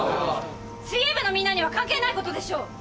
水泳部のみんなには関係ないことでしょ？